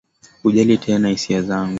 hujali tena hisia zangu